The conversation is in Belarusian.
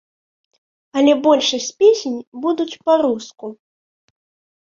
Але большасць песень будуць па-руску.